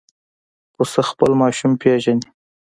پسه خپل ماشوم پېژني.